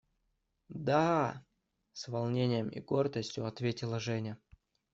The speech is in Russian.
– Да! – с волнением и гордостью ответила Женя.